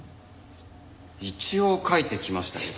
一応描いてきましたけど。